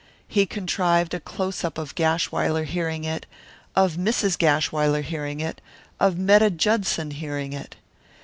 He contrived a close up of Gashwiler hearing it, of Mrs. Gashwiler hearing it, of Metta Judson hearing it.